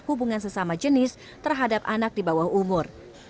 hubungan sesama jenis terhadap anak di bawah umur